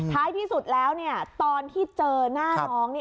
ท้ายที่สุดแล้วเนี่ยตอนที่เจอหน้าน้อง